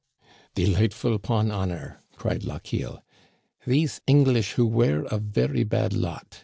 Delightful, 'pon honor!" cried Lochiel. "These English who were a very bad lot